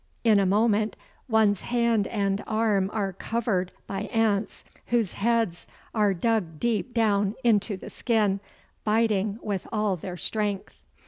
In a moment one's hand and arm are covered by ants whose heads are dug deep down into the skin, biting with all their strength.